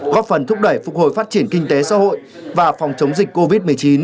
góp phần thúc đẩy phục hồi phát triển kinh tế xã hội và phòng chống dịch covid một mươi chín